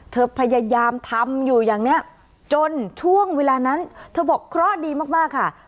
พยายามทำอยู่อย่างเนี้ยจนช่วงเวลานั้นเธอบอกเคราะห์ดีมากค่ะ